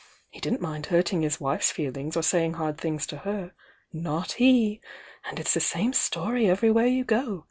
He didn't mind hurting his wife's feel ings or saying hard things to her, — not he! And it's the same story everywhere you go.